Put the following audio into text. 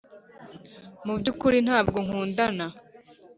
mubyukuri ntabwo nkundana.